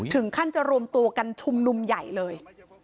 ถึงขั้นจะรวมตัวกันชุมนุมใหญ่เลย